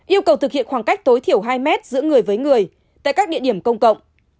yêu cầu thực hiện khoảng cách tối thiểu hai mét giữa người với người tại các địa điểm công cộng